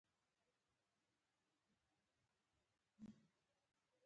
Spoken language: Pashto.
موږ ته لازمه ده د یوې ملي شتمنۍ په توګه هلې ځلې وکړو.